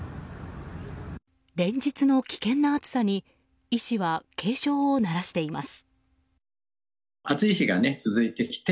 連日の危険な暑さに医師は警鐘を鳴らしています。